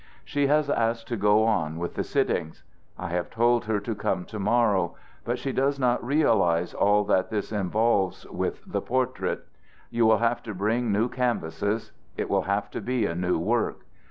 "She has asked to go on with the sittings. I have told her to come to morrow. But she does not realize all that this involves with the portrait. You will have to bring new canvases, it will have to be a new work.